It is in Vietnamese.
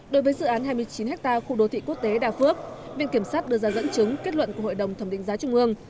đối với dự án hai mươi chín ha khu đô thị quốc tế đà phước viện kiểm sát đưa ra dẫn chứng kết luận của hội đồng thẩm định giá trung ương